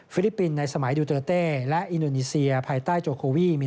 ลิปปินส์ในสมัยดูเตอร์เต้และอินโดนีเซียภายใต้โจโควี